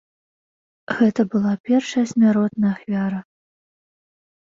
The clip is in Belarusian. Гэта была першая смяротная ахвяра.